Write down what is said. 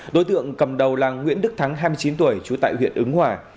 đối tượng cầm đầu là nguyễn đức thắng hai mươi chín tuổi trú tại huyện ứng hòa